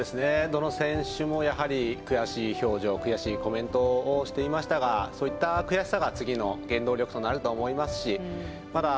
どの選手も悔しい表情、悔しいコメントをしていましたがそういった悔しさが次の原動力となると思いますし。